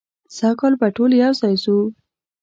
سږ کال به ټول یو ځای ځو.